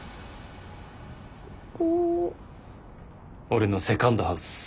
俺のセカンドハウス。